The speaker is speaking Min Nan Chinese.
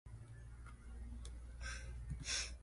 上天無路，落地無步